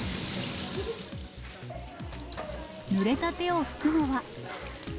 ぬれた手を拭くのは。